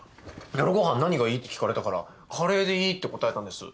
夜ご飯何がいい？って聞かれたからカレーでいいって答えたんです。